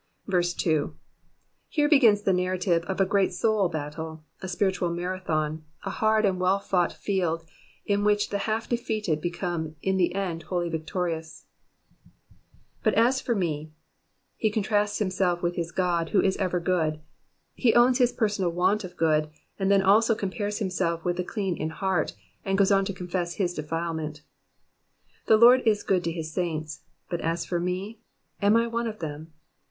2. Here begins the narrative of a great soul battle, a spiritual Marathon, a hard and well fought field, in which the half defeated became in the end wholly victorious, ^''But as for me.^'' He contrasts himself with his God who is ever good ; he owns his personal want of good, and then also compares himself with the clean in heart, and goes on to confess his defilement. The Lord is good to his saints, 6/^ cw for we,'* am I one of them?